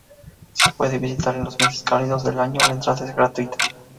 Se puede visitar en los meses cálidos del año, la entrada es gratuita.